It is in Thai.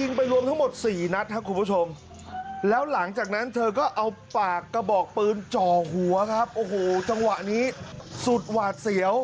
ยิงไปรวมทั้งหมด๔นัดครับคุณผู้ชมแล้วหลังจากนั้นเธอก็เอาปากกระบอกปืนจ่อหัวครับโอ้โหจังหวะนี้สุดหวาดเสียว